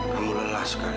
kamu lelah sekali